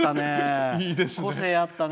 個性あったね。